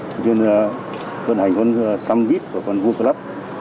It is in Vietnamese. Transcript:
tuy nhiên là phần hành phần xăm vít của phần vua club